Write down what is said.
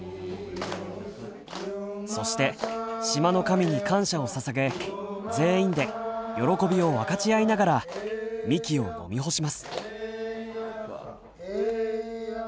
そして島の神に感謝をささげ全員で喜びを分かち合いながらみきを飲み干します。